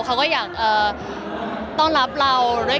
เขาก็อยากต้องรับเรา